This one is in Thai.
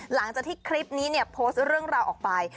หลังจากที่คลิปนี้เนี่ยโพสต์เรื่องราวออกไป